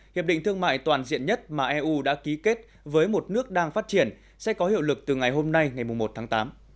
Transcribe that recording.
hiệp định thương mại toàn diện nhất mà eu đã ký kết với một nước đang phát triển sẽ có hiệu lực từ ngày hôm nay ngày một tháng tám